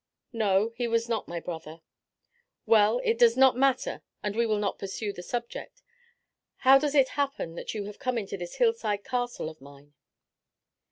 "No, he was not my brother." "Well, it does not matter and we will not pursue the subject. How does it happen that you have come into this hillside castle of mine?"